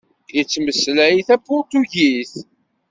Yettmeslay tapuṛtugit.